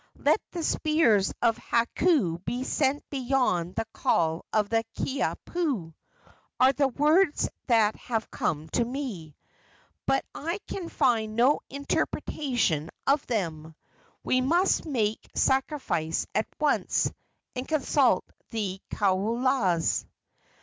'Let the spears of Hakau be sent beyond the call of the Kiha pu,' are the words that have come to me, but I can find no interpretation of them. We must make sacrifice at once, and consult the kaulas."